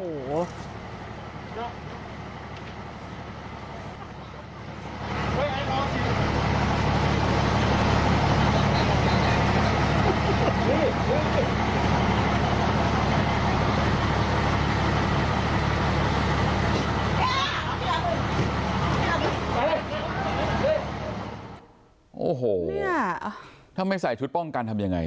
โอ้โหเนี่ยถ้าไม่ใส่ชุดป้องกันทำยังไง